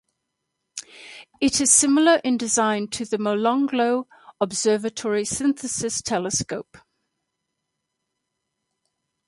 It is similar in design to the Molonglo Observatory Synthesis Telescope.